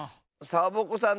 サボ子さん